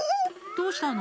どうしたの？